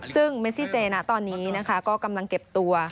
ซึ่งเมซิเจตอนนี้กำลังเก็บตัว